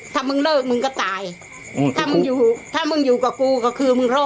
ถ้ามึงเลิกมึงก็ตายอืมถ้ามึงอยู่ถ้ามึงอยู่กับกูก็คือมึงรอด